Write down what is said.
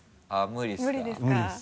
無理ですか。